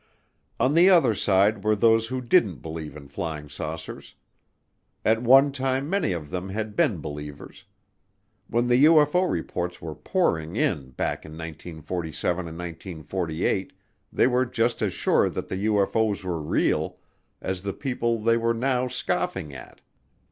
On the other side were those who didn't believe in flying saucers. At one time many of them had been believers. When the UFO reports were pouring in back in 1947 and 1948, they were just as sure that the UFO's were real as the people they were now scoffing at.